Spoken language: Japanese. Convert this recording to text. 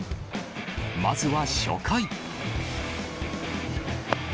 まずは初回。